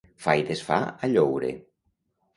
Fa i desfà a lloure.